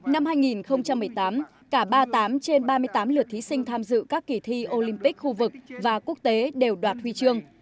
năm hai nghìn một mươi tám cả ba mươi tám trên ba mươi tám lượt thí sinh tham dự các kỳ thi olympic khu vực và quốc tế đều đoạt huy chương